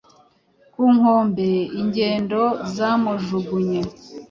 Ku nkombe -ingendo zamujugunye